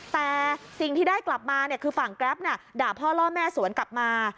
แต่สิ่งที่ได้กลับมาคือฝั่งแกรปด่าพ่อล่อแม่สวนกลับมา